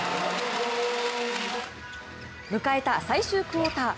迎えた最終クオーター。